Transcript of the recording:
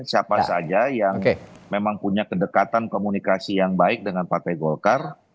siapa saja yang memang punya kedekatan komunikasi yang baik dengan partai golkar